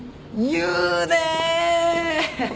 言うね！